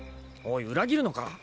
おい裏切るのか？